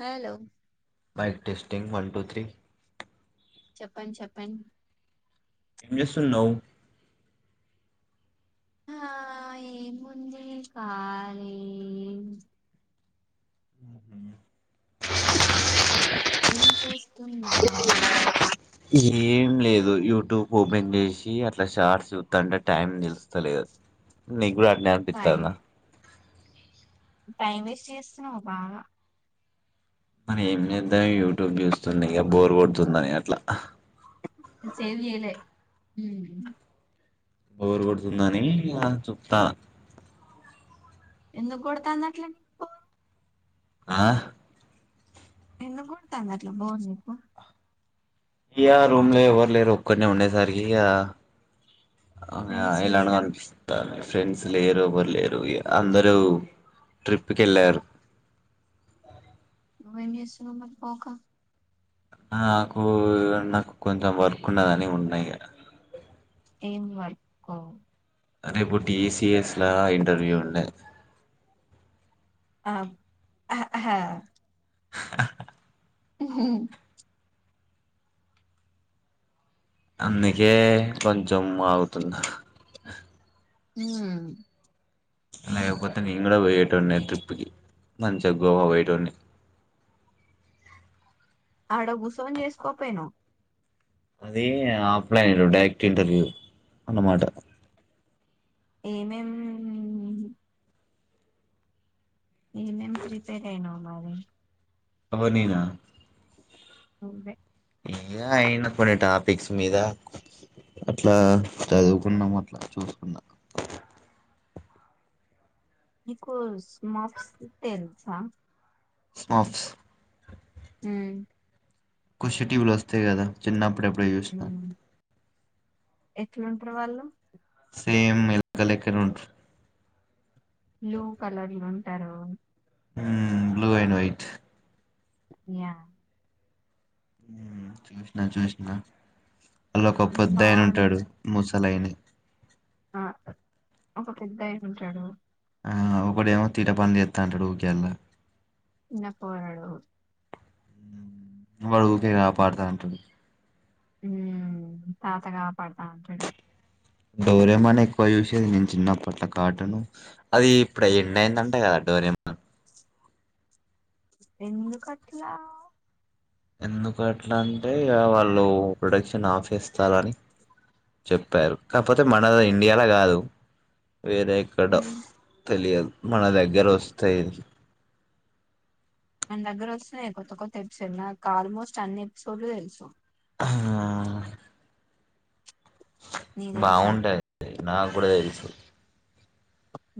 Hello. Mike testing one two three [unintelligible] చెప్పండ్ చెప్పండి. ఎస్సున్నౌ. హా ఏముంది కాలీ. ఏం చేస్తున్నావు ఏం లేదు యువట్యూబ్ ఓపెన్ చేసి అట్లా షార్ట్స్ చూతాంటే టైం నిలుస్తలేదు నెక్స్ టైం అజ్ఞానపిత్తాన్న. టైం వేస్ట్ చేస్తున్నావ్ బాగా. మన ఏమ్ జేద్దాం యవ్టూబ్ జూస్ తుందిగ బోర్ గొడుతుందని అట్ల. అహ్. సేవ్ జెయ్లె ఉమ్. బోర్ గొడుతుందనీ ఇగ చుత్త. ఎందుక్ గొడతాందట్ల. ఆ ఎందుక్ గొడ్తాందట్ల బోర్ నీకు. ఇయా రూమ్లో ఎవర్ లేరు ఒక్కన్నే ఉండేసర్కి ఇగ. అ య ఫ్రెండ్స్ ఎలానో లేరా అనిపిస్తాది. ఫ్రెండ్స్ లేరు ఎవర్ లేరు ఇగ అందరు ట్రిప్ కెళ్ళారు. నువ్వేం జేస్తున్నావ్ మరి పోక. నాకు నాకు కొంచెం వర్కున్నదని ఉన్నా ఇగ. ఏం వర్కు. అదేపు టీఈసిఎస్లా ఇంటర్వ్యూ ఉండె. అ హ హ. హా హా హ అందికే కొంచెం ఆగుతున్న. ఊమ్. లేకపోతే నేన్ గూడా పొయ్యేటోన్నే ట్రిప్ప్కి మంచిగ గోవా పోయేటోన్ని. ఆడ గుస్సోన్ జేస్కోపోయ్నవు. అదీ ఆఫ్లైను డైరెక్ట్ ఇంటర్వ్యూ అనమాట. ఏమేం ఏమేం ప్రీపేర్ అయినావు అరే ఎవరు నేనా నువ్వే ఇంకా అయిన కొన్ని టాపిక్స్ మీద అట్లా చదువుకున్నాం అట్లా చూసుకున్నా నీకు స్మఫ్స్ ది తెలుసా స్మఫ్స్ ఉమ్ ఖుషీ టీవీలు వస్తాయి కదా చిన్నపు డు చూసినా ఎట్లుంటరు వాళ్ళు సేమ్ ఎలక లెక్కనే ఉంటారు బ్లూ కలర్ ల ఉమ్ బ్లూ అండ్ వైట్ యా ఉమ్ చూసిన చూసిన ఆళ్లకి ఒక పెద్దాయన బాగుం ఉంటాడు ము [unintelligible] ఆ ఒక పెద్ద ఆయన ఉంటాడు ఆ ఒకడేమో తీటపని చేస్తా అంటాడు ఊకె ఆళ్ల చిన్న పోరడు వాడు ఊరికే కాపాడుతాంటడు ఉమ్ తాత గాపాడతంటడు డోరేమాని ఎక్కువ చూసేది నేను చిన్నప్పట్ల కార్టూన్ అది ఇప్పుడు ఎండ్ అయిందంట కదా డోరేమాన్ ఎందుకట్లా ఎందుకు అట్లా అంటే వాళ్ళు ప్రొడక్షన్ ఆఫ్ ఇస్తారుని చెప్పారు కాకపోతే మనది ఇండియాలో కాదు వేరే ఎక్కడో ఉమ్ తెలియదు మన దగ్గర వస్తాయి మన దగ్గర వస్తున్నాయి కొత్త కొత్త ఎపిసోడ్ నాకు ఆల్మోస్ట్ అన్ని ఎపిసోడ్లు తెలుసు ఆ నీకు తెలుసా బాగుంటాయి నాకు కూడా తెలుసు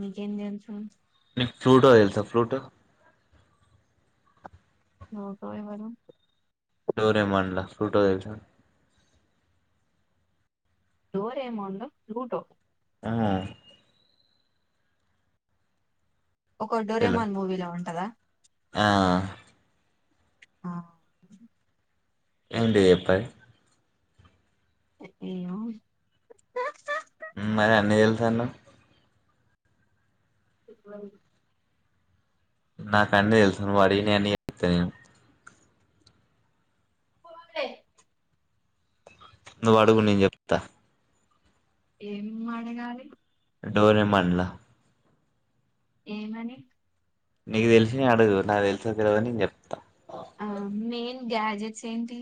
నీకేం తెలుసు ఫ్రూటో తెలుసా ఫ్రూటో ఫ్రూటో ఎవరు డోరేమాన్ ల ఫ్రూటో తెలుసా డోరమాన్ లో ఫ్లూటో ఆ ఒక తెలు డొరేమాన్ మూవీలో ఉంటదా ఆ ఆ ఏంటిది చెప్పు అది ఏమో సను ఇప్పుడే నాకంటే తెలుసు నువ్ అడిగినవన్నీ చెస్తా నేను ఉ నువ్వు అడుగు నేను చెప్తా ఏం అడగాలి? డోరేమాన్ ల ఏమని నీకు తెలిసినవి అడుగు నాకు తెలుసంత వరకు నేను చెప్తాను ఆ మేయిన్ గ్యాజెట్స్ ఏంటి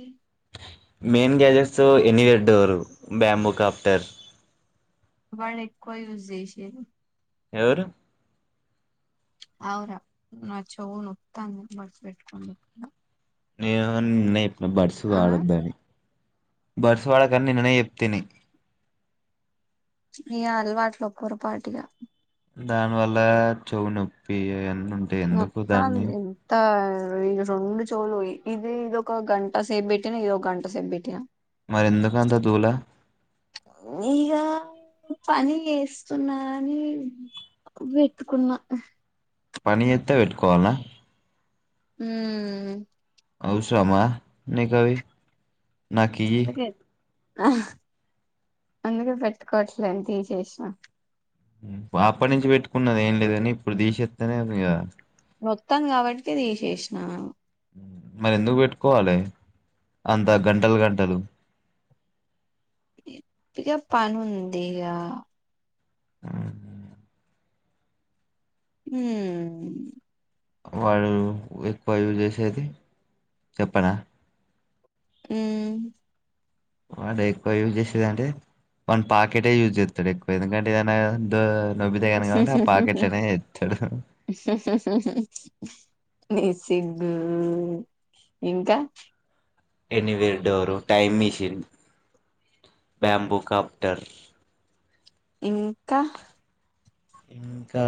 మెయిన్ గ్యాజెట్స్ ఎన్ని వెడ్డోరు బ్యాంబుకాప్టర్ వాళ్ళ ఎక్కువ యూస్ చేసిది ఎవరు ఆర నాచ్చవు నప్తాంద బర్బట్కంద ఏమో నా బడ్సు వాడొద్దని బడ్స్ వాడొద్దని నిన్ననే చెప్తిని ఇ అలవాట్లో పొరపాటిగా దాని వల్ల చెవు నొప్పి ఎవ మొత్తం ఎంత ఇ రెండు చోవులు పోయినయ్ ఇది ఇది ఒక గంట సేపు పెట్టినా ఇదొక గంట సేపు పెట్టినా మరి ఎందుకు అంత దూల ఇగ పని చేస్తున్నా అని పెట్టుకున్నా పని చేత్తే వెట్టుకోవాలా ఉమ్ అవసరమా నీకవి నాకి అ అందుకే పెట్టుకోవట్లే తీషేష్ న అప్పటి నుంచి పెట్టుకున్నది ఏం లేదుని ఇప్పుడు తీసేస్తనే ఇగ మొత్తం కాబట్టి తీసేసినా మరి ఎందుకు పెట్టుకోవాలే అంత గంటలు గంటలు ఇగ పని ఉందిగ అ హ వాళ ఎక్కువ యూజ్ చేసేది చెప్పనా అ వాడు ఎక్కువ యూజ్ చేసేదింటే వన్ పా్యాకెటే యూజ్ చేస్తాడు ఎక్కువ ఎందుకంటే ఏదైనా నొబ్బితేగాని కాబట్టి ఆ హాహా పాకెట్లనే చేస్తాడు హాహా నీ సిగ్గు ఇంకా anywhere door time machine bamboo copter ఇంకా ఇంకా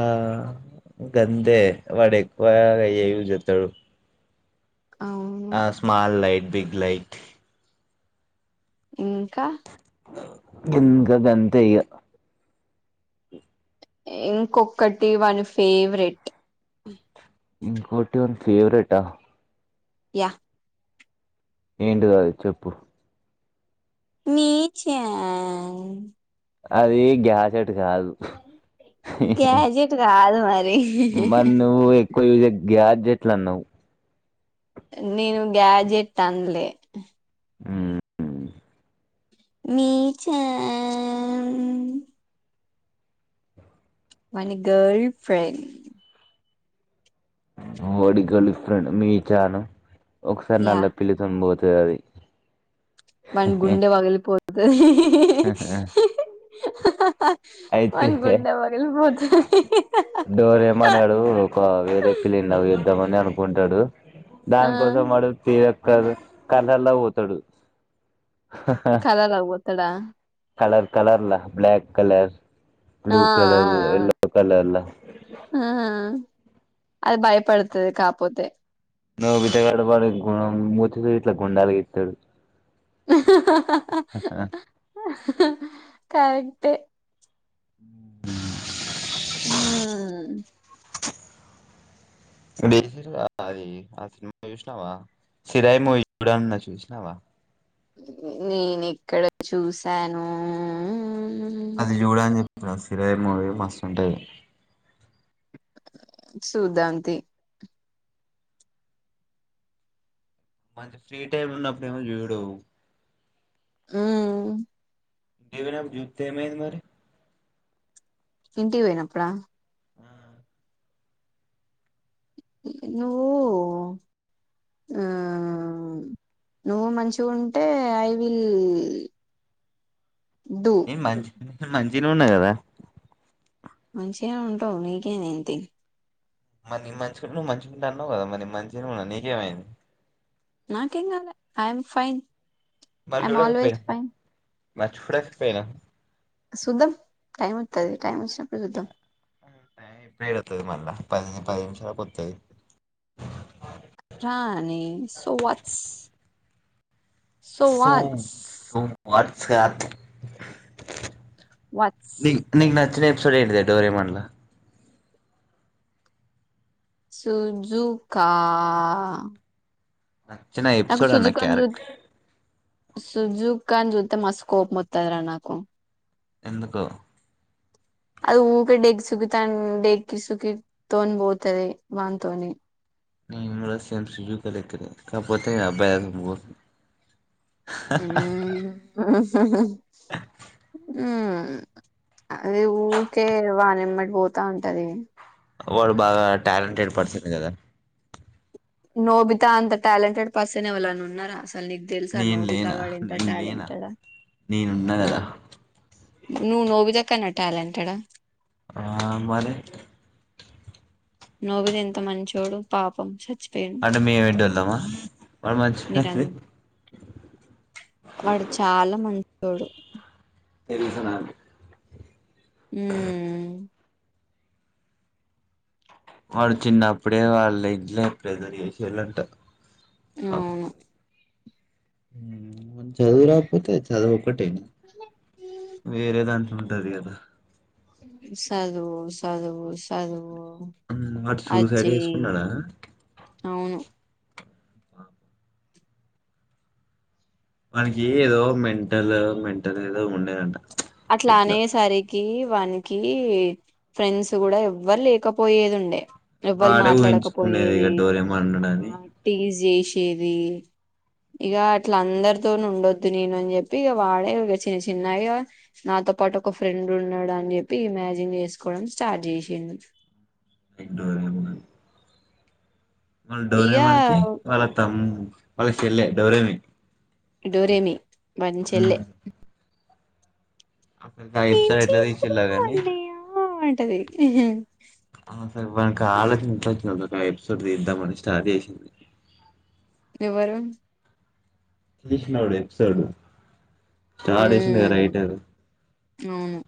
గందే వాడు ఎక్కువ అయేవి జతాడు అవు ఆ స్మల్ లైట్ బిగ్లైట్ ఇంకా ఇంకా గంతేయిగా ఇంకొకటి వన్ ఫేవరెట్ ఇంకోటి వన్ ఫేవరెట్ హ యా ఇంటిదది చెప్పు నీచ అది గ్యాజెట్ కాదు గ్యాజెట్ కాదు మరి మన్న జ గ్యాట్జట్లా నవు నేను గ్యాజెట్ అనలే ఉ మీచన్ మనీ గర్ల్ ఫ్రెండ్ డి గల్ఫ్రెం మీ చాను ఒకసారి యా నల్ల పిలి తం పోతంది తది మ గుండే వగలి పో అద [inaudible] [inaudible] అయితే వాని గుండె పగిలిపోతది డోరే మనడు ఒక వేరే పిల్లిని లవ్ చేద్దాం అనుకు కుంటాడు ఆ దానికోసం వాడు తీయ కాదు కర్లాల్ల పోతాడు హ హ అత్తడా కలర్ కలర్లా బ్ల్యాక్ కలర్ బ్లూ ఆ కలర్ ఎల్లో ఆ కలర్లా ఆ అది భయపడుతాది కాపోతే నువ్వు బిట్టగాడ వాడి గుం మూతీ ఇట్లా కోండాలు వీకుతడూ [unintelligible] [inaudible] అహహ కరెక్టే ఉ బేసి అది ఆ సినిమా చూసినావా సిరాయి మూవీ చూడన్న చూసినావా నేను ఎక్కడ చూసానుఉ‌ ఊ అది చూడని చెప్పన రేర్ మూవీ మస్ట్ ఉంటాది సూదాంతియి మంచి ఫ్రీ టైమ్ లో ఉన్నప్పుడు ఏమో చూడవు ఉ [inaudible] ఏమైంది మరి ఇంటికి పోయినప్పుడా నువ్వు ఆ నువ్వు మంచిగా ఉంటే ఐ విల్ డూ ఇ మంచ్ మంచిగనే ఉన్నా కదా మంచిగానే ఉంటావు నీకే ఎమైంది తీ మరి నేను మంచిగుంటే నువ్వు మంచిగుంటా అన్నావు కదా మరి మంచిగా ఉన్నా నీకేమైంది నాకేంగాలే ఐ ఎం ఫైన్ మరి ఐఎమ్ చూడ చెప్పే ఆల్వేస్ ఫైన్ [inaudible] సుదాం టైమ్ అత్తాది టైమ్ వచ్చినప్పుడు చుద్దాం టైమ్ ఇప్పుడే ఎడా మళ్ళా పది పది నిమిషాలకు కొత్తది రానీ సోవాట్స్ సో వాట్స్ సాత్ వాట్స్ ది నీకు నచ్చలేే సుడే డోరేమాన్ గా సుజుకా నచ్చిన ఎపిసోడ్ అన్న క్యారెక్టర్ సుజుకాన్ జూతే మస్త్ కోపమొత్తదిర నాకు ఎందుకో అది ఊకె డెగసుకితన్ డెకిసుకితోని పోతది వానితోని నేను కూడా సేమ్ సుజుక లెక్కనే కాకపోతే అబ్బాయి హుహు మ్మ్ అది ఊకే వానిమ్మటి పోతా ఉంటది వాడు బాగా ట్యాలెంటెడ్ పర్సన్ కదా నోబితా అంత టాలెంటెడ్ పర్సన్ ఎవలన్న ఉన్నారా అసల్ సల్ నీకు తెల్సా నేను నోబితా లేనా గాడు ఎంత నేను లేనా ట్యాలెంటెడో నేనున్నా ఆ కదా నువ్వు నోబితా కన్నా ట్యాలెంటెడా ఆ మరి నోబితా ఎంత మంచోడు పాపం చీ అంటే మేం ఎడ్దోళ్ళమ మరి మీరన్ మర్చిపోతివి వాడు చాలా మంచి చోడు తెలుసు నాకు హ్మ్ వాడు చిన్నప్పుడే వాళ్ళ ఇంట్లో ప్రెజర్ చేసిర్రు అంట అవును [unintelligible] చదువు రాకపోతే చదువు ఒకటే వేరే దాంట్లో ఉంటది కదా సదువు సదువు సదువు వాడు సూసైడ్ అజ్జేయ్ చేసుకున్నాడా అవును వానికి ఏదో మెంటల్ మెంటల్ ఏదో ఉండేదంట అట్లా ఎట్లా అనేసరికి వానికి ఫ్రెండ్స్ కూడా ఎవ్వరు లేకపోయేదుండే ఎవ్వల్ వాడే ఊహించుకునేది ఇక మాట్లాడకపోయేది డోరేమాన్ ఆ ఉన్నాడని టీస్ జేసేది ఇక అట్లా అందరితోను ఉండొద్దు నేను అని చెప్పి ఇక వాడే ఇక చిన్న చిన్నగా నాతో పాటు ఒక ఫ్రెండ్ ఉన్నాడు అని చెప్పి ఇమాజిన్ చేసుకోవడం స్టార్ట్ చేసిండు డోరేమాన్ వాళ్ళ ఇక డోరేమాన్ కి వాళ్ళ తమ్ము వాళ్ల చెల్లె డోరేమి డూరేమి మని చెల్లె [unintelligible] ఏం ఎట్ల తీసీన్లో గానీ అది వానికి ఆలోచన ఎట్లా వచ్చింది అసలు ఎపిసోడ్ తీద్దామని స్టార్ట్ చేసింది ఎవరు ఈసినోడు ఎపిసోడు స్టార్ట్ చేసిండు గద ఉమ్ రైటర్ అవును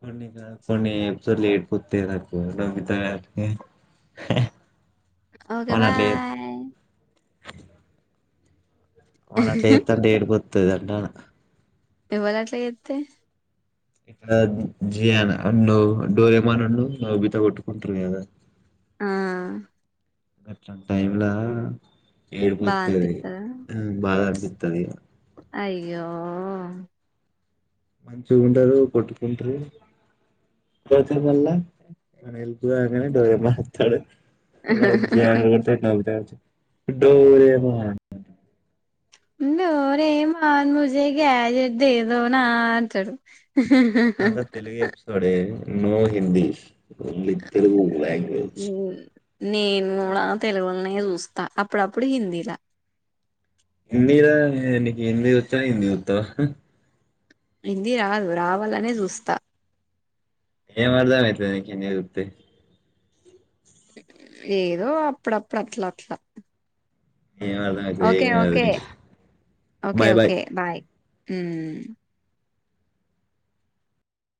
కొన్నికా కొన్ని ఎపిసోడలు ఏడుపుతాయి నాకు నోబితా ఓకే బాయ్ వాన్ని అట్లా చేతంటే ఏడుపు [unintelligible] ఎవలు అట్లా చెప్తే ఇక్కడ జియాన్ నువ్వు డోరమాన్ నోబితా కొట్టుకుంటారు కదా ఆ గట్లాంటి టైం లా బా ఏడుపోత్తది అనిపిత్తదా బాగా ఇత్తది అయ్యో మంచిగా ఉంటారు కొట్టుకుంటారు పోతే మల్ల ఏమన్న హెల్ప్ రాంగానే డోరెమోనొతడు వర్క్ చేయంగానే నావుతాది డోరేమాన్ డోరెమాన్ ముజే గాడ్జెట్ దేదోన అంటాడు హెహెహేహా అంతా తెలుగు ఎపిసోడే no Hindi only Telugu language నేను కూడా తెలుగులనే వస్తా అప్పుడు అప్పుడు హిందీలా హిందీల నీకు హిందీ వచ్చానీ హిందీ చుత్తవా హిందీ రాదు రా వాలనే చూస్తా ఏం అర్థమయితది నీకు హిందీ చూస్తే ఏదో అప్పుడప్పుడు అట్లా అట్లా ఏం అర్థమయితది ఏం ఓకే కాదు ఓకే నీకు బాయ్ బాయ్ ఉ